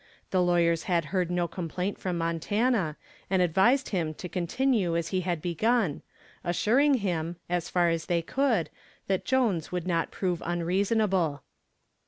The lawyers had heard no complaint from Montana, and advised him to continue as he had begun, assuring him, as far as they could, that Jones would not prove unreasonable.